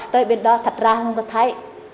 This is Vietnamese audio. tới bên đó thật ra không có thấy